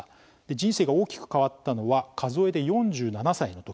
人生が大きく変わったのは数えで４７歳の時。